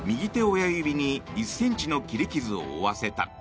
親指に１ｃｍの切り傷を負わせた。